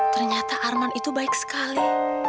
ternyata arman itu baik sekali